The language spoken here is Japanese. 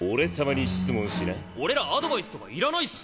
俺らアドバイスとかいらないっす。